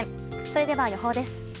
それでは予報です。